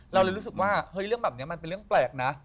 เราเลยรู้สึกว่าเฮ้ยเรื่องแบบนี้มันเป็นเรื่องแปลกนะ